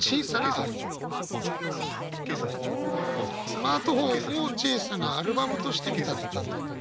スマートフォンを「小さなアルバム」として見立てたという。